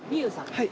はい。